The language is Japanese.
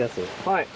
はい。